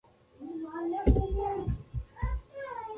له اتلس سوه اووه کال وروسته سوداګري تر ډېره ختمه شوې وه.